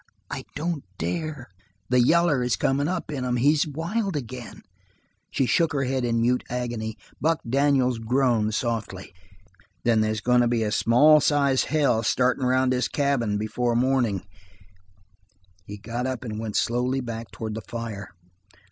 "I don't dare." "The yaller is comin' up in 'em. He's wild again." She shook her head in mute agony. Buck Daniels groaned, softly. "Then they's goin' to be a small sized hell started around this cabin before mornin'." He got up and went slowly back towards the fire.